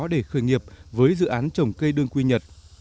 để khởi nghiệp với dự án trồng cây đương quy nhật